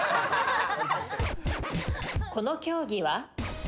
この競技は？